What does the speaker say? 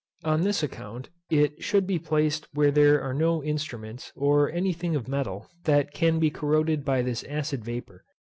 On this account, it should be placed where there are no instruments, or any thing of metal, that can be corroded by this acid vapour.